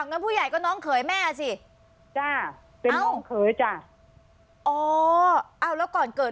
งั้นผู้ใหญ่ก็น้องเขยแม่สิจ้ะเป็นน้องเขยจ้ะอ๋อเอาแล้วก่อนเกิด